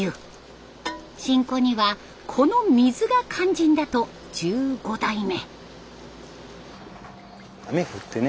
しんこにはこの水が肝心だと１５代目。